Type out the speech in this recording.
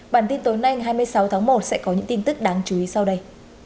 bản tin tối nay hai mươi sáu tháng một sẽ có những tin tức đáng chú ý sau đây